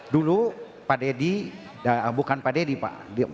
dulu pak deddy bukan pak deddy pak